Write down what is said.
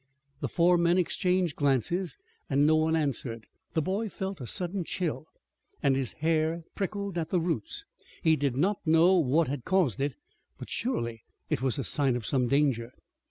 The four men exchanged glances, and no one answered. The boy felt a sudden chill, and his hair prickled at the roots. He did not know what had caused it, but surely it was a sign of some danger.